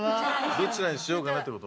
「どちらにしようかな」ってこと？